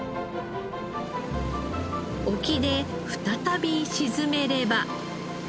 沖で再び沈めれば。